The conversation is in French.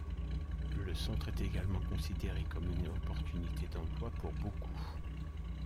Le centre est également considéré comme une opportunité d'emploi pour beaucoup.